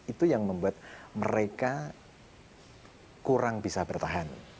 itu yang membuat mereka kurang bisa bertahan